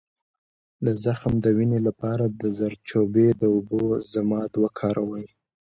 د زخم د وینې لپاره د زردچوبې او اوبو ضماد وکاروئ